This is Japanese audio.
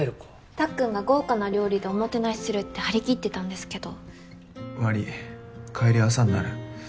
たっくんが豪華な料理でおもてなしするって張り切ってたんですけど。